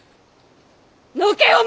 のけお万！